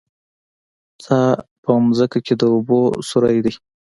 څا په ځمکه کې د اوبو سوری دی